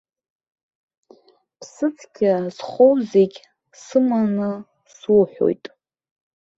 Ԥсы цқьа зхоу зегь сыманы суҳәоит!